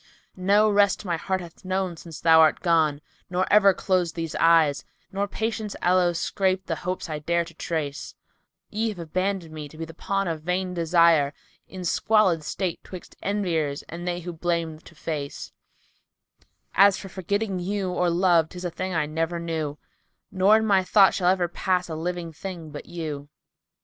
No rest my heart hath known since thou art gone, nor ever close * These eyes, nor patience aloe scape the hopes I dare to trace: Ye have abandoned me to be the pawn of vain desire, * In squalid state 'twixt enviers and they who blame to face: As for forgetting you or love 'tis thing I never knew; * Nor in my thought shall ever pass a living thing but you."